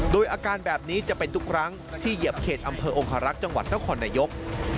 โดยอาการแบบนี้จะเป็นทุกครั้งที่เหยียบเขตอำเภอองคารักษ์จังหวัดนครนายก